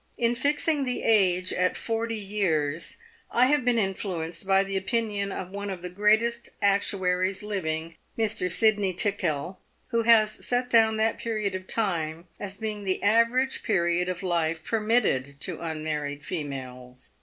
In fixing the age at forty years, I have been influenced by the opinion of one of the greatest actuaries living, Mr. Sydney Tickell, who has set down that period of time as being the average period of life permitted to unmarried females.